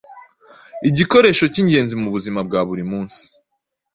igikoresho cy'ingenzi mu buzima bwa buri munsi